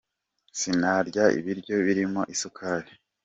sinarya ibiryo birimo isukari